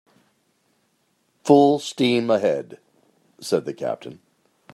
"Full steam ahead," said the captain.